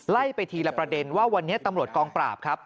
ไล่ไปทีละประเด็นว่าวันนี้ตำรวจกองปราบครับ